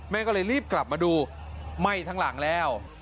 แม่ก็เลยรีบกลับมาดูไหม้ทั้งหลังแล้ว